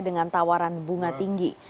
dengan tawaran bunga tinggi